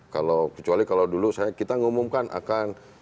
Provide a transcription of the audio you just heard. kecuali kalau dulu kita mengumumkan akan